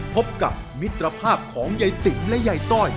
พบกับมิตรภาพของยายติและยายต้อย